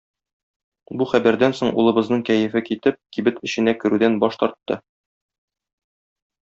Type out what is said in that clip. Бу хәбәрдән соң улыбызның кәефе китеп, кибет эченә керүдән баш тартты.